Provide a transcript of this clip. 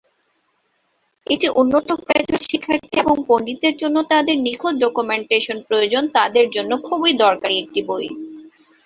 এটি উন্নত গ্র্যাজুয়েট শিক্ষার্থী এবং পণ্ডিতদের জন্য যাদের নিখুঁত ডকুমেন্টেশন প্রয়োজন তাঁদের জন্য খুবই দরকারি একটি বই।